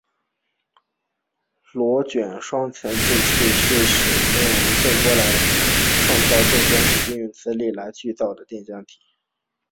螺旋双层推进器是使用无线电波来制造电浆体并用磁力喷嘴来聚集加速电浆体。